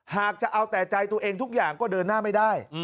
หากจะเอาแต่ใจตัวเองทุกอย่างก็เดินหน้าไม่ได้